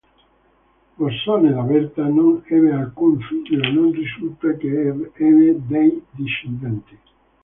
Bosone da Berta non ebbe alcun figlio, e non risulta che ebbe dei discendenti.